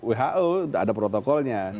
oh ada protokolnya